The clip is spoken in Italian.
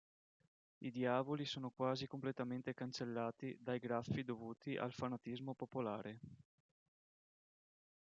I diavoli sono quasi completamente cancellati dai graffi dovuti al fanatismo popolare.